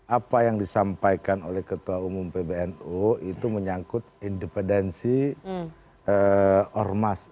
apa yang disampaikan oleh ketua umum pbnu itu menyangkut independensi ormas